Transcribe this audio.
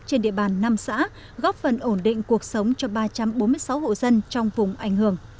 trên địa bàn năm xã góp phần ổn định cuộc sống cho ba trăm bốn mươi sáu hộ dân trong vùng ảnh hưởng